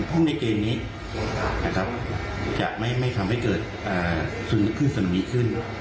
พรุ่งในเกณฑ์นี้นะครับจะไม่ทำให้เกิดสนมีขึ้น